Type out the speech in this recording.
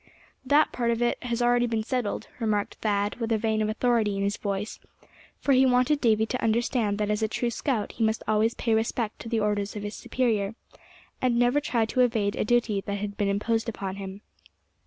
"That part of it has already been settled," remarked Thad, with a vein of authority in his voice; for he wanted Davy to understand that as a true scout, he must always pay respect to the orders of his superior, and never try to evade a duty that had been imposed upon him.